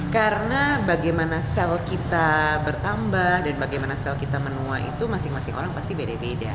karena bagaimana sel kita bertambah dan bagaimana sel kita menua itu masing masing orang pasti beda beda